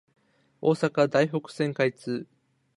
大阪・台北線開設